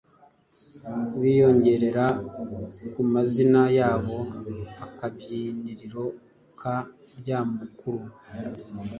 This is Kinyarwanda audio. biyongerera ku mazina yabo akabyiniriro ka ryamukuru